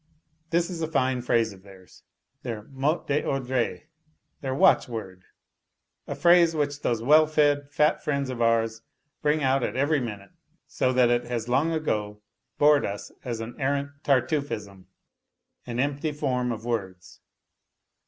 This is a fine phrase of theirs, their mot d'ordre, their watchword, a phrase which these well fed, fat friends of ours bring out at every minute, so that it has loag ago bored us as an arrant Tartuffism, an empty form of words.